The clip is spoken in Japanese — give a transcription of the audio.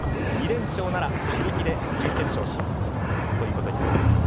２連勝なら自力で準決勝進出ということになります。